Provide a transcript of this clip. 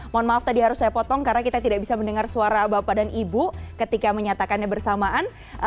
mohon maaf tadi harus saya potong karena kita tidak bisa mendengar suara bapak dan ibu ketika menyatakannya bersamaan